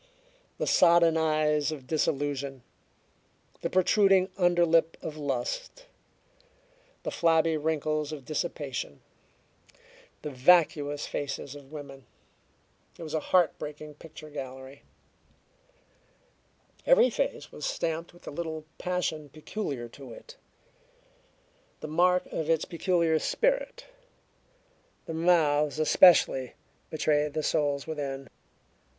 The sodden eyes of disillusion, the protruding underlip of lust, the flabby wrinkles of dissipation, the vacuous faces of women: it was a heart breaking picture gallery. Every face was stamped with the little passion peculiar to it the mark of its peculiar spirit. The mouths, especially, betrayed the souls within.